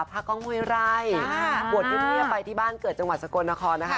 กล้องห้วยไร่บวชเงียบไปที่บ้านเกิดจังหวัดสกลนครนะคะ